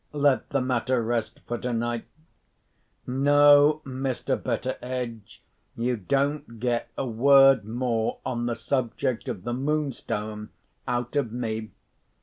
Let the matter rest for tonight. No, Mr. Betteredge, you don't get a word more on the subject of the Moonstone out of me.